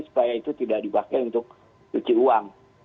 supaya itu tidak dipakai untuk cuci uang